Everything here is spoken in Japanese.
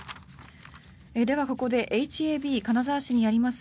ではここで金沢市にあります